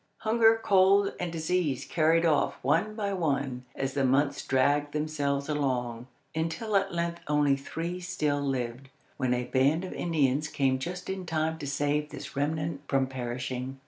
Hunger, cold, and disease carried off one by one as the months dragged themselves along, until at length only three still lived, when a band of Indians came just in time to save this remnant from perishing.